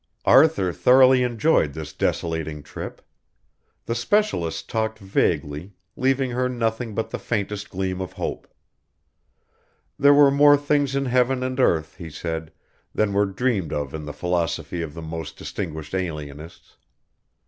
Arthur thoroughly enjoyed this desolating trip. The specialist talked vaguely, leaving her nothing but the faintest gleam of hope. There were more things in heaven and earth, he said, than were dreamed of in the philosophy of the most distinguished alienists.